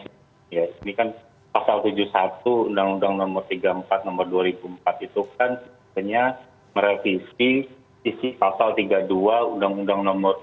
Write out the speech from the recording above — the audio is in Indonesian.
ini kan pasal tujuh puluh satu undang undang nomor tiga puluh empat nomor dua ribu empat itu kan sebenarnya merevisi isi pasal tiga puluh dua undang undang nomor tiga